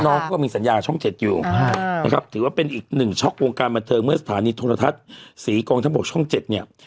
น้องก็มีสัญญาช่อง๗อยู่นะครับถือว่าเป็นอีกหนึ่งช็อกวงการบันเทิงเมื่อสถานีโทรทัศน์ศรีกองทัพบกช่อง๗เนี่ย